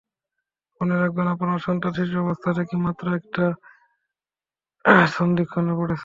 মনে রাখবেন, আপনার সন্তান শিশু অবস্থা থেকে মাত্র একটা সন্ধিক্ষণে পড়েছে।